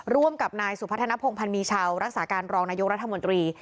ร่วมกับนายสุพัฒนภงพันธ์มีชาวรักษาการรองนายกรัฐมนตรี